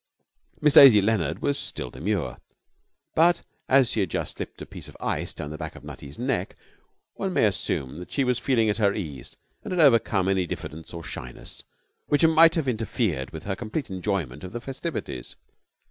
Miss Daisy Leonard was still demure, but as she had just slipped a piece of ice down the back of Nutty's neck one may assume that she was feeling at her ease and had overcome any diffidence or shyness which might have interfered with her complete enjoyment of the festivities.